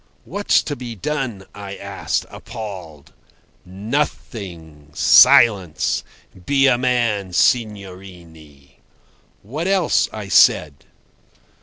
"What's to be done?" I asked, appalled. "Nothing. Silence! Be a man, signorine." "What else?" I said.